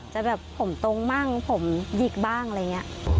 จะแบบผมตรงบ้างผมหยิกบ้างอะไรอย่างนี้